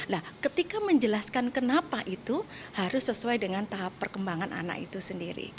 nah ketika menjelaskan kenapa itu harus sesuai dengan tahap perkembangan anak itu sendiri